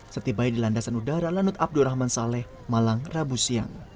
setibai di landasan udara lanut abdul rahman saleh malang rabu siang